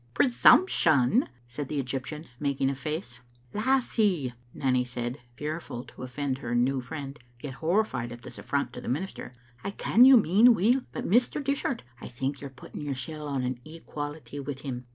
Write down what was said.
" Presumption !" said the Egyptian, making a face. "Lassie," Nanny said, fearful to oflEend her new friend, yet horrified at this affront to the minister, " I ken you mean weel, but Mr. Dishart *11 think you're putting yoursel' on an equality wi* him."